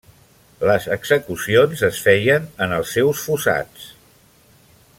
Les execucions es feien en els seus fossats.